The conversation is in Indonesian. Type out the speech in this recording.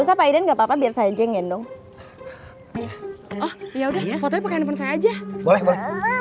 pak aiden gapapa biar saja ngenong ya udah aja